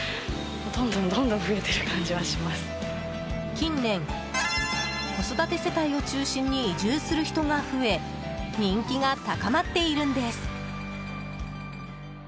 近年、子育て世帯を中心に移住する人が増え人気が高まっているんです。